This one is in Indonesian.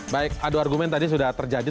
baik adu argumen tadi sudah terjadi